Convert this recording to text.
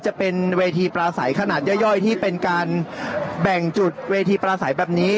จะเป็นเวทีปลาใสขนาดย่อยที่เป็นการแบ่งจุดเวทีปลาใสแบบนี้